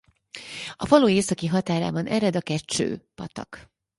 A falu északi határában ered a Kecső-patak.